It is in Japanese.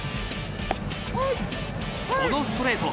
このストレート。